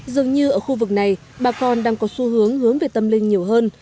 dường như ở khu vực này bà con đang có xu hướng hướng về tâm linh nhiều hơn